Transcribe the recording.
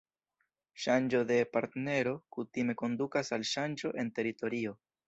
Ŝanĝo de partnero kutime kondukas al ŝanĝo en teritorio.